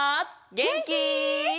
げんき？